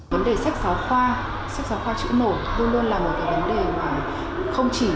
vấn đề sách giáo khoa sách giáo khoa chữ nổi luôn luôn là một cái vấn đề mà không chỉ